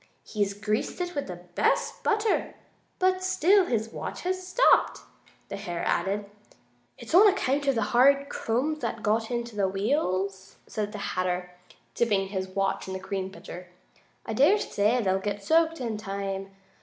"He's greased it with the best butter, but still his watch has stopped," the hare added. "It's on account of the hard crumbs that got in the wheels," said the Hatter, dipping his watch in the cream pitcher. "I dare say they'll get soaked in time.